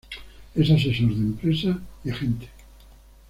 Es asesor de empresas y agente.